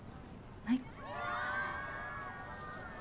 はい。